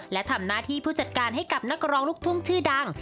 และทำหน้าที่ผู้จัดการให้กับนักร้องลูกทุ่งชื่อดัง